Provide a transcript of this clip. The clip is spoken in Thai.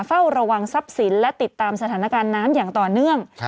เฝ้าระวังทรัพย์สินและติดตามสถานการณ์น้ำอย่างต่อเนื่อง